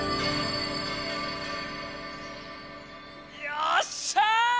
よっしゃ！